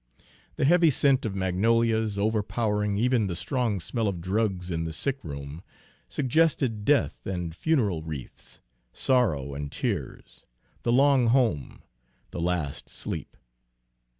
The heavy scent of magnolias, overpowering even the strong smell of drugs in the sickroom, suggested death and funeral wreaths, sorrow and tears, the long home, the last sleep.